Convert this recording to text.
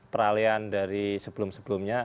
peralihan dari sebelum sebelumnya